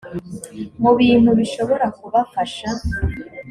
mu bintu bishobora kubafasha